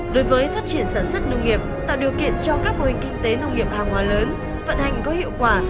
đối với phát triển sản xuất nông nghiệp tạo điều kiện cho các mô hình kinh tế nông nghiệp hàng hóa lớn vận hành có hiệu quả